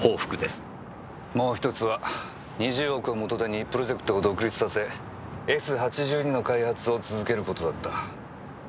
もう１つは２０億を元手にプロジェクトを独立させ「Ｓ８２」の開発を続ける事だった。